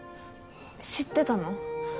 知ってたの？